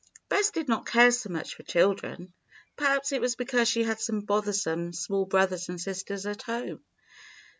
Bess did not care so much for children. Perhaps it was because she had some bothersome small brothers and sisters at home.